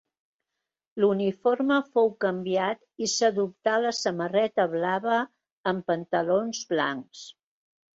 L'uniforme fou canviat i s'adoptà la samarreta blava amb pantalons blancs.